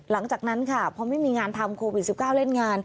หลังจากนั้นค่ะพอไม่มีงานทำโควิด๑๙เล่นงาน